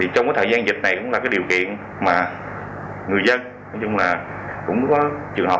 trong thời gian dịch này cũng là điều kiện mà người dân cũng có trường hợp